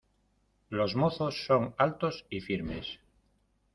Los mozos son altos y firmes.